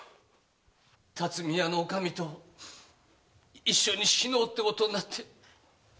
巽屋の内儀と一緒に死のうってことになって。